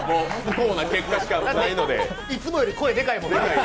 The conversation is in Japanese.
いつもより声でかいもんね。